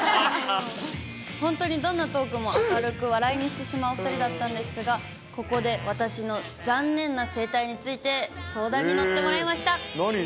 本当にどんなトークも明るく笑いにしてしまうお２人だったんですが、ここで私のざんねんな生態について相談に乗ってもらいました。